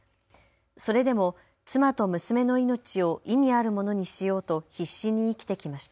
それでも妻と娘の命を意味あるものにしようと必死に生きてきました。